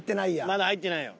まだ入ってないよ。